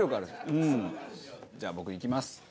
じゃあ僕いきます。